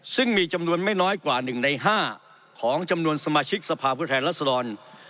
ซึ่งมีจำนวนไม่น้อยกว่า๑ใน๕ของจำนวนสมาชิกสภาพผู้แทนรัศดร